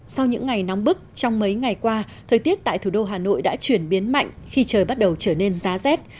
sau những ngày nóng bức trong mấy ngày qua thời tiết tại thủ đô hà nội đã chuyển biến mạnh khi trời bắt đầu trở nên giá rét